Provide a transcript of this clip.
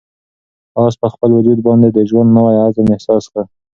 آس په خپل وجود باندې د ژوند نوی عزم احساس کړ.